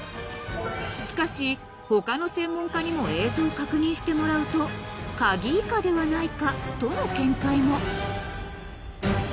［しかし他の専門家にも映像を確認してもらうとカギイカではないか？との見解も］